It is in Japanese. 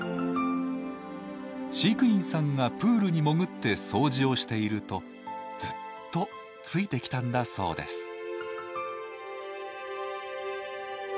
飼育員さんがプールに潜って掃除をしているとずっとついてきたんだそうです。